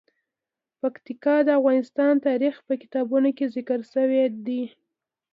پکتیا د افغان تاریخ په کتابونو کې ذکر شوی دي.